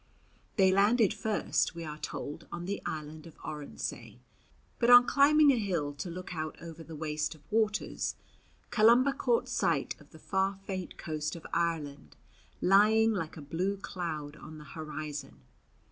They landed first, we are told, on the island of Oronsay, but on climbing a hill to look out over the waste of waters, Columba caught sight of the far faint coast of Ireland lying like a blue cloud on the horizon.